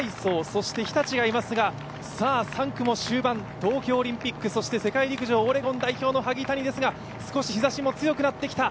そして日立がいますが、３区も終盤、東京オリンピック、世界陸上オレゴン代表の萩谷ですが少し日ざしも強くなってきた。